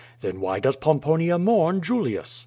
Then why does Pomponia mourn Julius?